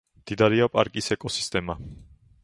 მდიდარია პარკის ეკოსისტემა.